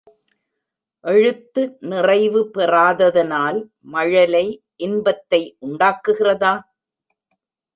எழுத்து நிறைவு பெறாததனால் மழலை இன்பத்தை உண்டாக்குகிறதா?